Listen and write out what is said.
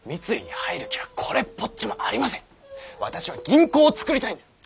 私は銀行を作りたいんだ！